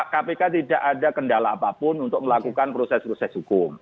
kpk tidak ada kendala apapun untuk melakukan proses proses hukum